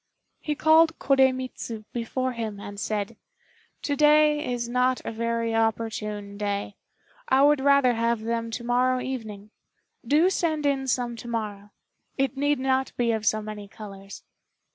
He called Koremitz before him and said, "To day is not a very opportune day; I would rather have them to morrow evening. Do send in some to morrow. It need not be of so many colors."